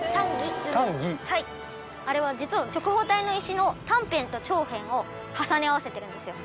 あれは実は直方体の石の短辺と長辺を重ね合わせてるんですよ。